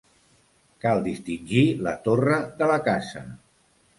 Cal distingir la torre de la casa.